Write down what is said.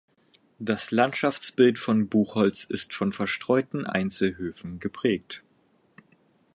Das Landschaftsbild von Buchholz ist von verstreuten Einzelhöfen geprägt.